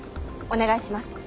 お願いします。